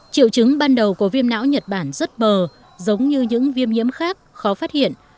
triệu chứng ban đầu của viêm não nhật bản rất bờ giống như những viêm nhiễm khác khó phát hiện